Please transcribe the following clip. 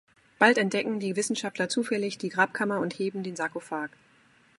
Bald entdecken die Wissenschaftler zufällig die Grabkammer und heben den Sarkophag.